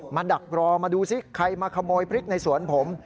ดักรอมาดูซิใครมาขโมยพริกในสวนผม